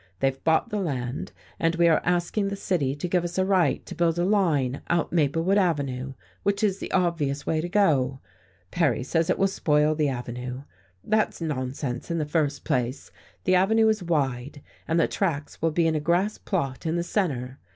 They've bought the land, and we are asking the city to give us a right to build a line out Maplewood Avenue, which is the obvious way to go. Perry says it will spoil the avenue. That's nonsense, in the first place. The avenue is wide, and the tracks will be in a grass plot in the centre.